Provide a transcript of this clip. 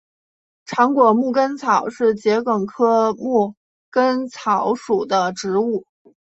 长果牧根草是桔梗科牧根草属的植物。